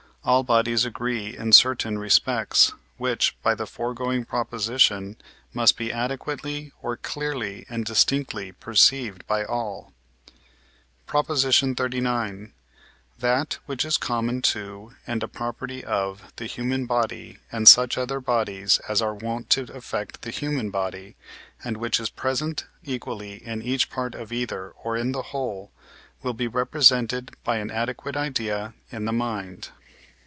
all bodies agree in certain respects, which (by the foregoing Prop.) must be adequately or clearly and distinctly perceived by all. PROP. XXXIX. That, which is common to and a property of the human body and such other bodies as are wont to affect the human body, and which is present equally in each part of either, or in the whole, will be represented by an adequate idea in the mind.